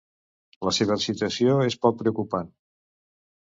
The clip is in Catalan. La seva situació és poc preocupant.